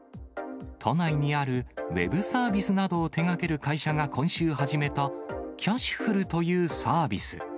都内にあるウェブサービスなどを手がける会社が今週始めた、キャシュふるというサービス。